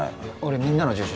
みんなの住所